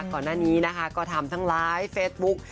ก่อนหน้านี้นะคะก็ทำทั้งไลฟ์เฟสบุ๊ก